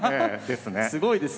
すごいですね。